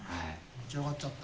持ち上がっちゃった。